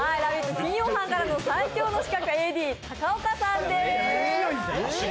金曜班からの最強の刺客ＡＤ高岡さんです。